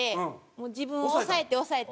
もう自分を抑えて抑えて。